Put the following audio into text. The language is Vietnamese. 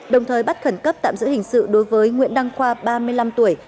đồng thời bắt khẩn cấp tạm giữ hình sự đối với nguyễn đăng khoa ba mươi năm tuổi